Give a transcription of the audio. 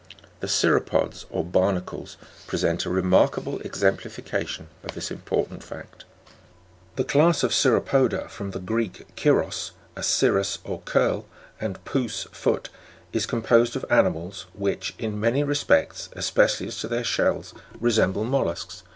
The Cirrhopods or Barnacles present a remarkable exemplification of this important fact." 22. The class of Cirrhopoda (from the Greek, kirros,a cirrus or curl, and pous, foot) is composed of animals, which, in many respects, especially as to their shells, resemble mollusks, but are 20.